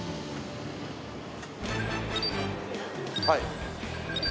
はい。